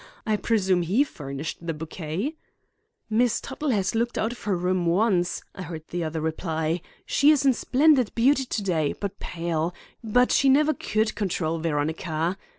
I presume he furnished the bouquet.' "'Miss Tuttle has looked out of her room once,' I heard the other reply. 'She is in splendid beauty today, but pale. But she never could control Veronica.